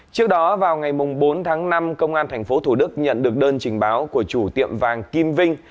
trước đó vào ngày bốn tháng năm công an tp thủ đức nhận được đơn trình báo của chủ tiệm vàng kim vinh